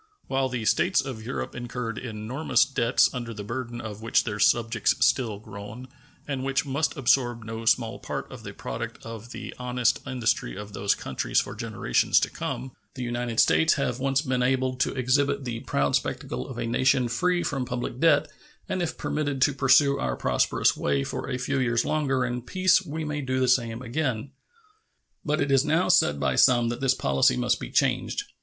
While the States of Europe incurred enormous debts, under the burden of which their subjects still groan, and which must absorb no small part of the product of the honest industry of those countries for generations to come, the United States have once been enabled to exhibit the proud spectacle of a nation free from public debt, and if permitted to pursue our prosperous way for a few years longer in peace we may do the same again. But it is now said by some that this policy must be changed.